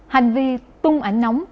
hành vi tung ảnh nóng